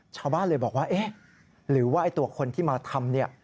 ชาวบ้านเลยบอกว่าเอ๊ะหรือว่าตัวคนที่มาทำเนี่ย